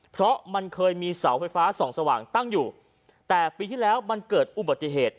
เพราะมันเคยมีเสาไฟฟ้าส่องสว่างตั้งอยู่แต่ปีที่แล้วมันเกิดอุบัติเหตุ